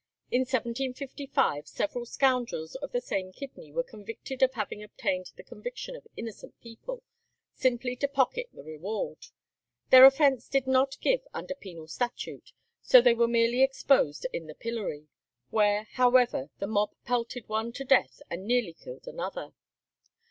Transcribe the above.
In 1755 several scoundrels of the same kidney were convicted of having obtained the conviction of innocent people, simply to pocket the reward. Their offence did not give under penal statute, so they were merely exposed in the pillory, where, however, the mob pelted one to death and nearly killed another.